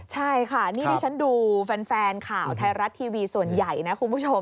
ใช่ค่ะนี่ที่ฉันดูแฟนข่าวไทยรัฐทีวีส่วนใหญ่นะคุณผู้ชม